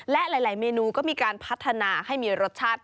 และหลายเมนูก็มีการพัฒนาให้มีรสชาติ